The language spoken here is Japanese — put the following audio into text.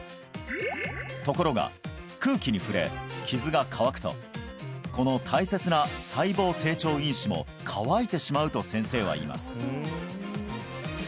ところが空気に触れ傷が乾くとこの大切な細胞成長因子も乾いてしまうと先生は言います